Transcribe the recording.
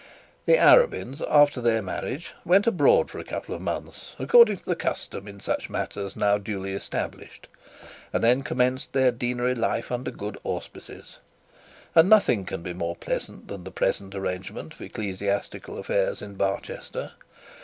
The Arabins after their marriage went abroad for a couple of months, according the custom in such matters now duly established, and then commenced their deanery life under good auspices. And nothing can be more pleasant than the present arrangement of ecclesiastical affairs in Barchester.